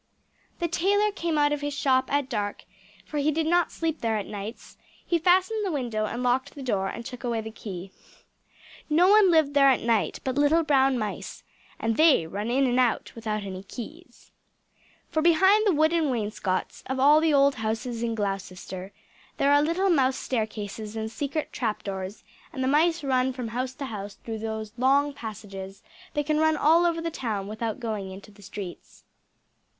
The tailor came out of his shop at dark, for he did not sleep there at nights; he fastened the window and locked the door, and took away the key. No one lived there at night but little brown mice, and they run in and out without any keys! For behind the wooden wainscots of all the old houses in Gloucester, there are little mouse staircases and secret trap doors; and the mice run from house to house through those long narrow passages; they can run all over the town without going into the streets.